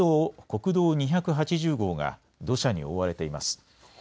国道２８０号が土砂に覆われています。